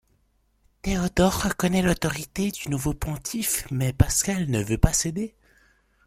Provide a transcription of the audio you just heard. Théodore reconnaît l'autorité du nouveau Pontife mais Pascal ne veut pas céder.